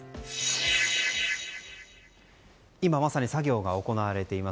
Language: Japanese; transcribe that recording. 今まさに作業が行われています。